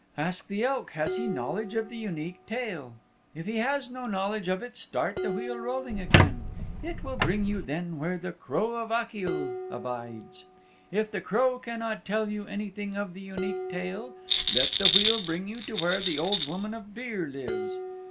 Ask the Elk has he knowledge of the Unique Tale. If he has no knowledge of it start the wheel rolling again. It will bring you then where the Crow of Achill abides. If the Crow cannot tell you anything of the Unique Tale, let the wheel bring you to where the Old Woman of Beare lives.